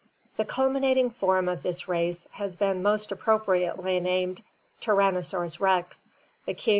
The culminating form of this race has been most appropriately named Tyrannosaurus rex, the king of tyrant saurians (Fig.